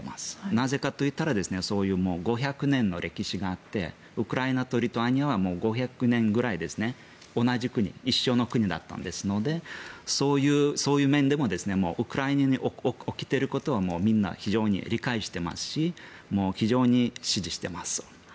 なぜかと言ったらそういう５００年の歴史があってウクライナとリトアニアは５００年くらい同じ国一緒の国だったんですのでそういう面でもウクライナに起きていることはみんな非常に理解していますし非常に支持してます。